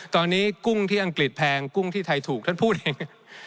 ตอนนี้กุ้งที่อังกฤษแพงกุ้งที่ไทยถูกท่านพูดเอง